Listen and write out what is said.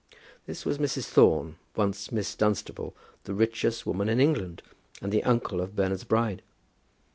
This was Mrs. Thorne, once Miss Dunstable, the richest woman in England, and the aunt of Bernard's bride.